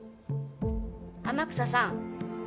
・天草さん。